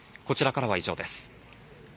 こちらからは以上です。